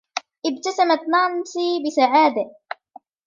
ابتسمت نانسي بسعادة.